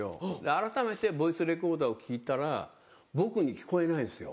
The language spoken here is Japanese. あらためてボイスレコーダーを聞いたら僕に聞こえないんですよ。